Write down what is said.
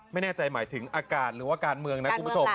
ไม่แน่ใจหมายถึงอาการหรือว่าการเมืองนะ